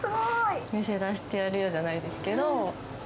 店出してやるよじゃないですけど。